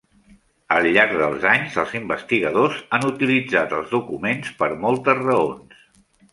Al llarg dels anys, els investigadors han utilitzat els documents per moltes raons.